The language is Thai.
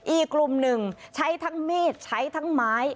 อีกกลุ่มหนึ่งใช้ทั้งมีดใช้ทั้งไม้